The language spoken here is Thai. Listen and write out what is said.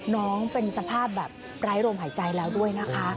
น้องเป็นสภาพแบบไร้ลมหายใจแล้วด้วยนะคะ